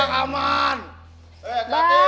assalamualaikum ya ya ya